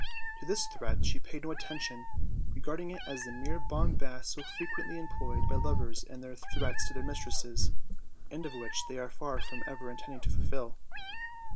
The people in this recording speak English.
To this threat she paid no attention, regarding it as the mere bombast so frequently employed by lovers in their threats to their mistresses, and which they are far from ever intending to fulfill.